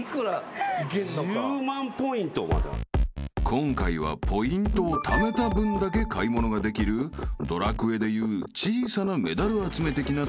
［今回はポイントをためた分だけ買い物ができる『ドラクエ』でいうちいさなメダル集め的な旅］